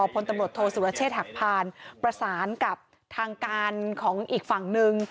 พลตำรวจโทษสุรเชษฐหักพานประสานกับทางการของอีกฝั่งหนึ่ง